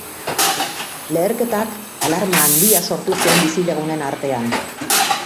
Leherketak alarma handia sortu zuen bizilagunen artean.